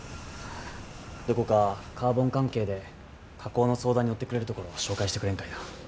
どこかカーボン関係で加工の相談に乗ってくれるところを紹介してくれんかいな。